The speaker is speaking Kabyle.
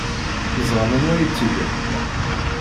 Teẓram anwa ay tt-ilan.